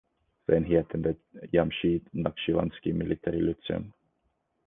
Then he attended Jamshid Nakhchivanski Military Lyceum.